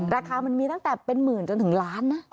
ราคามันมีตั้งแต่เป็นหมื่นจนถึงล้านนะ